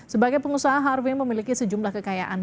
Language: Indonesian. sebagai pengusaha harvin memiliki sejumlah kekayaan